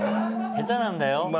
下手なんだよ。